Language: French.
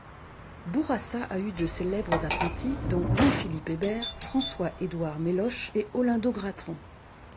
Bourassa a eu de célèbres apprentis, dont Louis-Philippe Hébert, François-Édouard Meloche et Olindo Gratton.